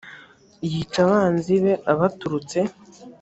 yica abanzi be abaturutse